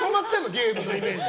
ゲームのイメージ。